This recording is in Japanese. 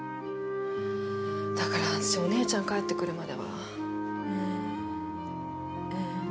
だから私お姉ちゃん帰ってくるまではうん。